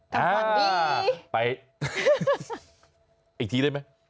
ทำความดีไปอีกทีได้ไหม